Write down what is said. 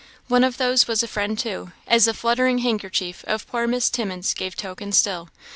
One of those was a friend, too, as the fluttering handkerchief of poor Miss Timmins gave token still.